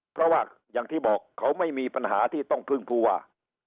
เพราะว่าอย่างที่บอกเขาไม่มีปัญหาที่ต้องพึ่งผู้ว่า